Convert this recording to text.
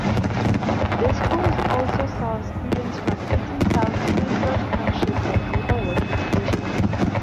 The school also serves students from Eatontown, Shrewsbury Township and Naval Weapons Station Earle.